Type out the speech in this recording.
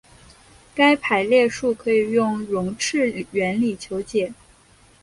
该排列数可以用容斥原理求解。